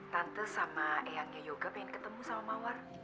tante sama eyangnya yoga pengen ketemu sama mawar